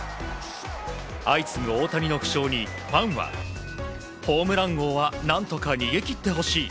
相次ぐ大谷の負傷にファンはホームラン王は何とか逃げ切ってほしい。